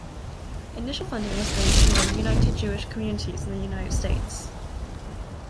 Initial funding was raised from the United Jewish Communities in the United States.